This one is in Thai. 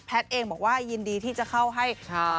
เองบอกว่ายินดีที่จะเข้าให้